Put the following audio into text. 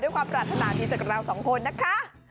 ด้วยความปลอดภัณฑ์ดีจากเราสองคนนะคะ